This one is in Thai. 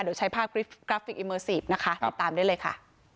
เดี๋ยวใช้ภาพกราฟิกอิเมอร์ซีฟนะคะติดตามได้เลยค่ะ